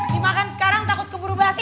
dimakan sekarang takut keburu basi